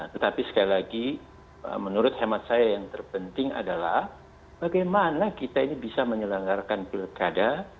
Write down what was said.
tetapi sekali lagi menurut hemat saya yang terpenting adalah bagaimana kita ini bisa menyelenggarakan pilkada